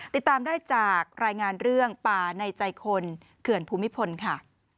ติดตามได้จากรายงานเรื่องป่าในใจคนเขื่อนภูมิพลค่ะ